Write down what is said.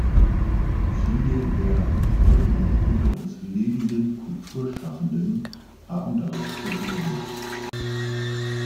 Viele der heute noch unter uns lebenden Kulturschaffenden haben darauf verwiesen.